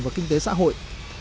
và kinh tế xã hội